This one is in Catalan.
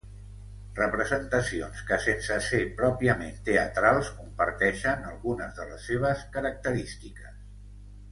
Representacions que sense ser pròpiament teatrals, comparteixen algunes de les seves característiques.